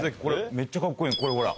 めっちゃカッコいいのこれほら。